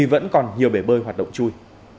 vẫn còn nhiều bể bơi hoạt động chui